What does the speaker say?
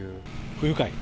不愉快。